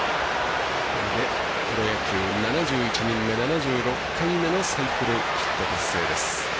プロ野球７１人目７６回目のサイクルヒット達成です。